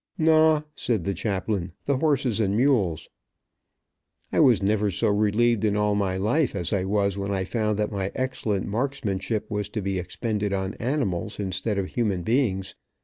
"Naw," said the chaplain. "The horses and mules." I was never so relieved in all my life as I was when I found that my excellent marksmanship was to be expended on animals instead of human beings.